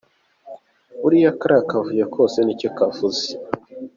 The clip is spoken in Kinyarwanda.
Buriya kariya kavuyo kose nicyo kavuze.